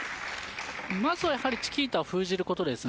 まずはチキータを封じることです。